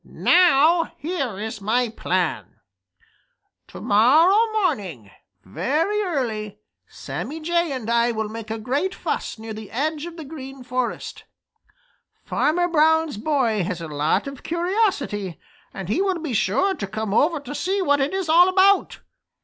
Now here is my plan: "To morrow morning, very early, Sammy Jay and I will make a great fuss near the edge of the Green Forest. Farmer Brown's boy has a lot of curiosity, and he will be sure to come over to see what it is all about.